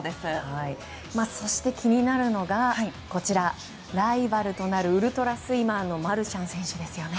そして、気になるのがライバルとなるウルトラスイマーのマルシャン選手ですね。